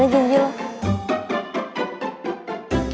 itulah miss su guides